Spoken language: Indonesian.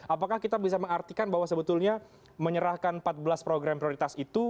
apakah kita bisa mengartikan bahwa sebetulnya menyerahkan empat belas program prioritas itu